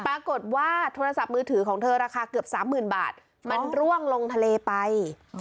ปรากฏว่าโทรศัพท์มือถือของเธอราคาเกือบสามหมื่นบาทมันร่วงลงทะเลไป